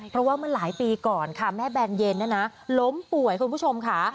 เพราะว่าเมื่อหลายปีก่อนค่ะแม่แบนเย็นล้มป่วยคุณผู้ชมค่ะ